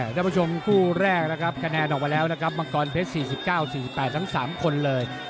ท่านผู้ชมคู่แรกนะครับคะแนนออกมาแล้วนะครับมังกรเพชร๔๙๔๘ทั้ง๓คนเลย